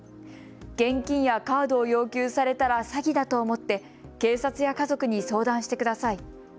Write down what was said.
現金やカードを要求されたら詐欺だと思って警察や家族に相談してください。